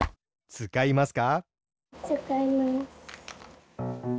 つかいます。